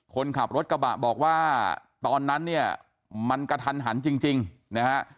คนขับรถกระบะบอกว่าตอนนั้นเนี่ยมันกระทันหันจริงนะฮะ